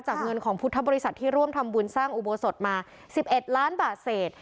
เงินของพุทธบริษัทที่ร่วมทำบุญสร้างอุโบสถมา๑๑ล้านบาทเศษ